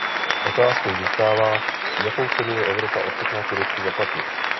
Otázkou zůstává, jakou cenu je Evropa ochotna Turecku zaplatit.